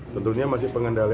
tentunya masih pengendalian